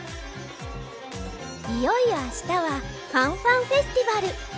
いよいよあしたはファンファンフェスティバル。